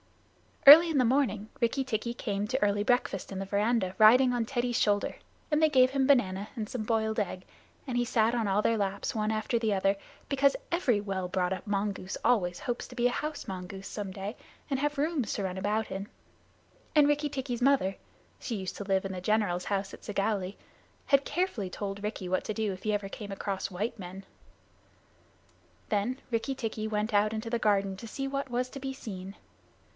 Early in the morning Rikki tikki came to early breakfast in the veranda riding on Teddy's shoulder, and they gave him banana and some boiled egg. He sat on all their laps one after the other, because every well brought up mongoose always hopes to be a house mongoose some day and have rooms to run about in; and Rikki tikki's mother (she used to live in the general's house at Segowlee) had carefully told Rikki what to do if ever he came across white men. Then Rikki tikki went out into the garden to see what was to be seen.